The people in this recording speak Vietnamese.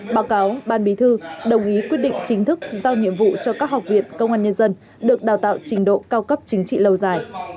báo cáo ban bí thư đồng ý quyết định chính thức giao nhiệm vụ cho các học viện công an nhân dân được đào tạo trình độ cao cấp chính trị lâu dài